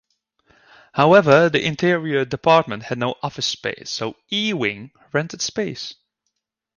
However, the Interior Department had no office space, so Ewing rented space.